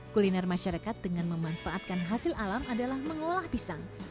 kuliner masyarakat dengan memanfaatkan hasil alam adalah mengolah pisang